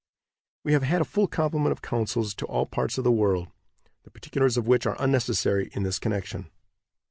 We have had a full complement of consuls to all parts of the world, the particulars of which are unnecessary in this connection.